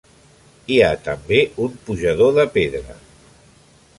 Hi ha també un pujador de pedra.